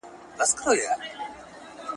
فساد د ټولني امنيت خرابوي.